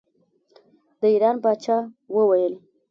د ایران پاچا وویل.